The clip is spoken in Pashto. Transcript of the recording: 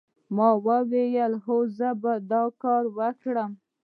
ما وویل هو زه به دا کار وکړم